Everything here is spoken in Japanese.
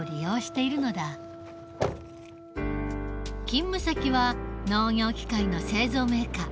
勤務先は農業機械の製造メーカー。